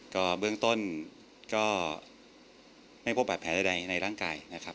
ก็เบื้องต้นก็ไม่พบบาดแผลใดในร่างกายนะครับ